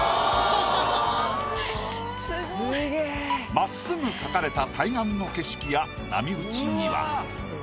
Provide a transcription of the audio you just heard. まっすぐ描かれた対岸の景色や波打ち際。